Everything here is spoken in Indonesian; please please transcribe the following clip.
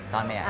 tahun mea ya